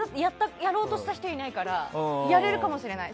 やろうとした人がいないからそれはやれるかもしれない。